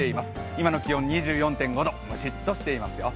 今の気温２４．５度、ムシっとしていますよ。